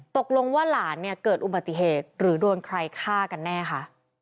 ตกลงว่าหลานเนี่ยเกิดอุบัติเหตุหรือโดนใครฆ่ากันแน่ค่ะ